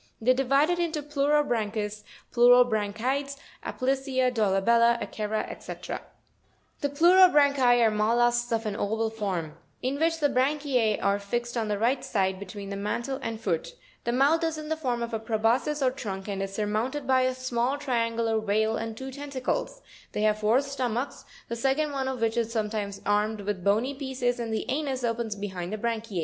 They are divided into Pleurobran chus, Pleurobranchides, Aplysia, Dolabella, Akera, &c. 37. The PLEUROBRANCHI are mol lusks of an oval form; in which the branchie are fixed on the right side, between the mantle and foot (fig. 80). The mouth is in the form of a preboscis or trunk, and is surmounted by a small triangular veil, and two tentacles; they have four stomachs, the second one of which is sometimes armed with bony pieces, and the anus opens behind the branchiz.